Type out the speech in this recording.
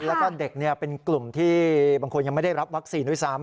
แล้วก็เด็กเป็นกลุ่มที่บางคนยังไม่ได้รับวัคซีนด้วยซ้ำ